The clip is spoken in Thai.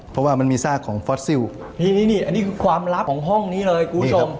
เพราะว่ามันมีซากของฟอสซิลนี่นี่อันนี้คือความลับของห้องนี้เลยคุณผู้ชม